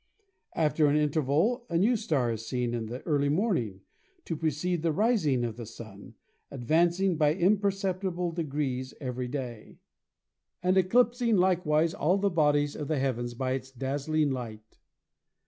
After an interval a new star is seen in the early morn ing to precede the rising of the Sun, advancing by imper ceptible degrees every day, and eclipsing likewise all the bodies of the heavens by its dazzling light.